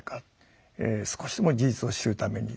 少しでも事実を知るために。